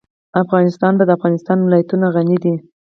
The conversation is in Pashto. افغانستان په د افغانستان ولايتونه غني دی.